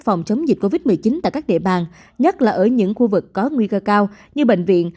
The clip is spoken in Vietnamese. phòng chống dịch covid một mươi chín tại các địa bàn nhất là ở những khu vực có nguy cơ cao như bệnh viện